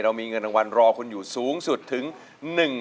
เรามีเงินรางวัลรอคุณอยู่สูงสุดถึง